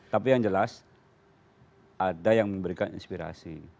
tapi yang jelas ada yang memberikan inspirasi